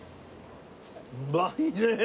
うまいねえ！